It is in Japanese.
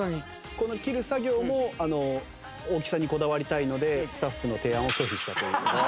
この切る作業も大きさにこだわりたいのでスタッフの提案を拒否したという。